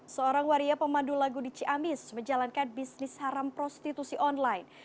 seorang waria pemandu lagu di ciamis menjalankan bisnis haram prostitusi online